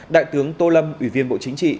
đại tướng tô lâm ủy viên bộ chính trị